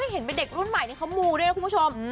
เห็นเป็นเด็กรุ่นใหม่เขามูด้วยนะคุณผู้ชม